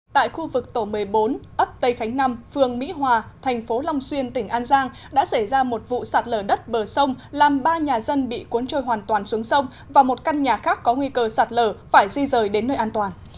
tại khu vực tổ một mươi bốn ấp tây khánh năm phường mỹ hòa thành phố long xuyên tỉnh an giang đã xảy ra một vụ sạt lở đất bờ sông làm ba nhà dân bị cuốn trôi hoàn toàn xuống sông và một căn nhà khác có nguy cơ sạt lở phải di rời đến nơi an toàn